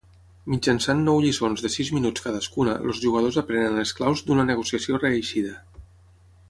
Mitjançant nou lliçons de sis minuts cadascuna els jugadors aprenen les claus d'una negociació reeixida.